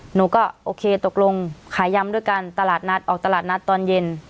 หนูก็โอเคตกลงขายยำด้วยกันตลาดนัดออกตลาดนัดตอนเย็น